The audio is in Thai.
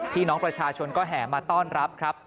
พี่น้องประชาชนก็แห่มาต้อนรับครับ